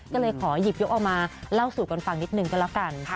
ก็เลยขอหยิบยกเอามาเล่าสู่กันฟังนิดนึงก็แล้วกัน